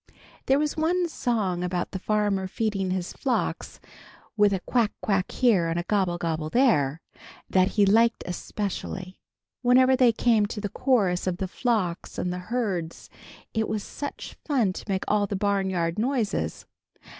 There was one song about the farmer feeding his flocks, "with a quack, quack here, and a gobble, gobble there," that he liked especially. Whenever they came to the chorus of the flocks and the herds it was such fun to make all the barnyard noises.